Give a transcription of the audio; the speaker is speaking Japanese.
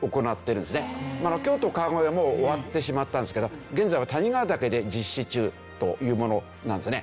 京都川越はもう終わってしまったんですけど現在は谷川岳で実施中というものなんですね。